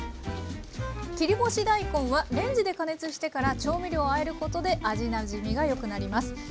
切り干し大根はレンジで加熱してから調味料をあえることで味なじみがよくなります。